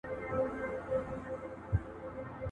کوزه په دري چلي ماتېږي.